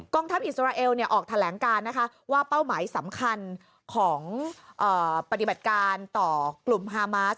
ทัพอิสราเอลออกแถลงการนะคะว่าเป้าหมายสำคัญของปฏิบัติการต่อกลุ่มฮามาส